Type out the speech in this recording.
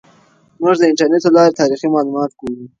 موږ د انټرنیټ له لارې تاریخي معلومات ګورو.